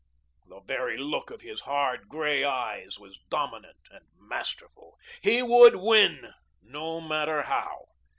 The very look of his hard, gray eyes was dominant and masterful. He would win, no matter how.